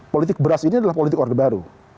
politik beras ini adalah politik orde baru